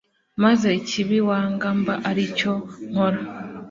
maze ikibi wanga mba ari cyo nkora